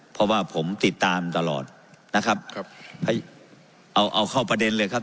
เพราะว่าผมติดตามตลอดนะครับครับให้เอาเอาเข้าประเด็นเลยครับ